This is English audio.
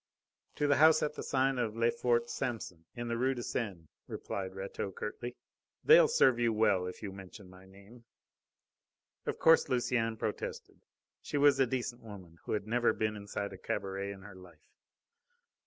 "To the house at the sign of 'Le fort Samson,' in the Rue de Seine," replied Rateau curtly. "They'll serve you well if you mention my name." Of course Lucienne protested. She was a decent woman, who had never been inside a cabaret in her life.